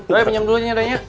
doi minum dulunya doinya